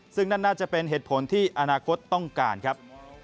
ซึ่งนั่นน่าจะเป็นเหตุผลที่อนาคตต้องการครับ